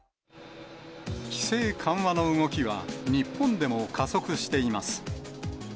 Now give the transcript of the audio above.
規制緩和の動きは日本でも加速しています。